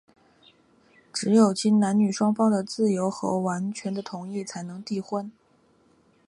只有经男女双方的自由和完全的同意,才能缔婚。